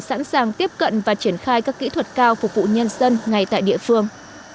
sẵn sàng tiếp cận và triển khai các kỹ thuật cao phục vụ nhân dân ngay tại địa phương